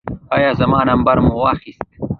ایا زما نمبر مو واخیست؟